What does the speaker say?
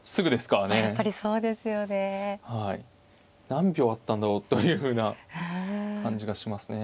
何秒あったんだろうというふうな感じがしますね。